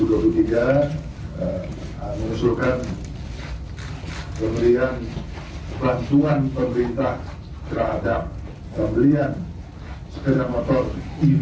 terhadap pemberian sepeda motor ev